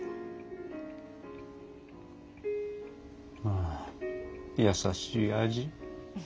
あ優しい味。